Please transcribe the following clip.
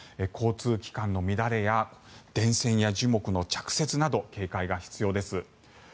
交通機関の乱れや電線や樹木の着雪など警戒が必要です。